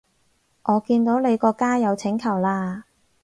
我見到你個加友請求啦